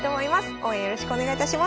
応援よろしくお願いいたします。